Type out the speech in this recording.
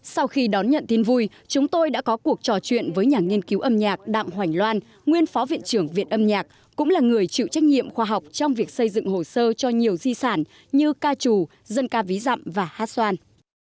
sau khi đón nhận tin vui chúng tôi đã có cuộc trò chuyện với nhà nghiên cứu âm nhạc đạm hoành loan nguyên phó viện trưởng viện âm nhạc cũng là người chịu trách nhiệm khoa học trong việc xây dựng hồ sơ cho nhiều di sản như ca trù dân ca ví dặm và hát xoan